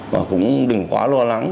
và cũng đừng quá lo lắng